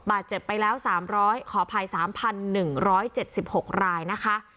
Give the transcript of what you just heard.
บาทเจ็บไปแล้วสามร้อยขอภัยสามพันหนึ่งร้อยเจ็บสิบหกรายนะคะ